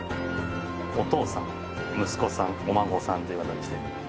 お父さん息子さんお孫さんという事にして。